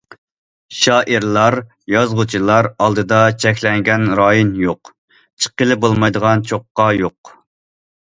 شائىرلار، يازغۇچىلار ئالدىدا‹‹ چەكلەنگەن رايون›› يوق، چىققىلى بولمايدىغان چوققا يوق.